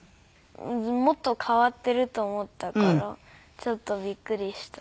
もっと変わっていると思ったからちょっとびっくりした。